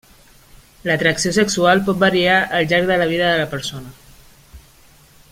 L'atracció sexual pot variar al llarg de la vida de la persona.